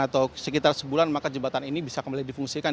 atau sekitar sebulan maka jembatan ini bisa kembali difungsikan